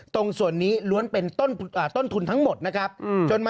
ตรงส่วนนี้ล้วนเป็นต้นทุนทั้งหมดนะครับ